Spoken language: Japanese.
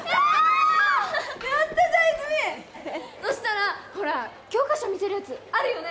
やったじゃん泉そしたらほら教科書見せるやつあるよね